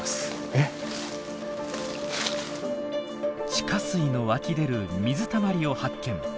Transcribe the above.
地下水の湧き出る水たまりを発見。